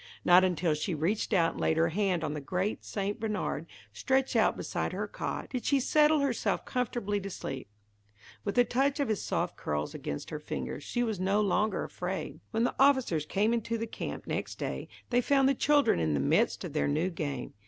Not until she reached out and laid her hand on the great St. Bernard stretched out beside her cot, did she settle herself comfortably to sleep. With the touch of his soft curls against her fingers, she was no longer afraid. When the officers came into the camp next day, they found the children in the midst of their new game.